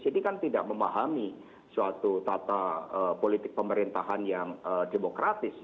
jadi kan tidak memahami suatu tata politik pemerintahan yang demokratis